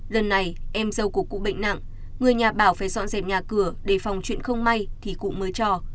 lần này em dâu của cụ bệnh nặng người nhà bảo phải dọn dẹp nhà cửa để phòng chuyện không may thì cụ mới cho